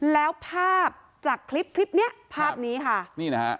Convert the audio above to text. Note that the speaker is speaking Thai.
แล้วภาพจากคลิปเนี่ยภาพนี้ค่ะ